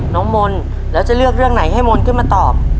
น้องมนต์แล้วจะเลือกเรื่องไหนให้มนต์ขึ้นมาตอบ